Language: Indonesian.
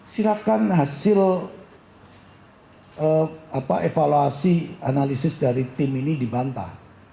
silakan hasil evaluasi analisis dari tim ini dibantah